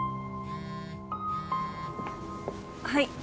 はい。